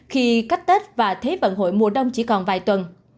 khi cách tết và thế vận hội mùa đông chỉ còn vài tuần